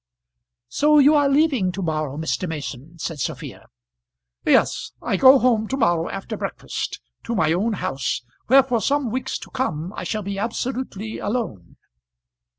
"So you are leaving to morrow, Mr. Mason," said Sophia. "Yes. I go home to morrow after breakfast; to my own house, where for some weeks to come I shall be absolutely alone."